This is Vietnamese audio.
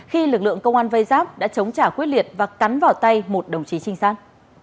khi lực lượng công an vây giáp đã chống trả quyết liệt và cắn vào tay một đồng chí trinh sát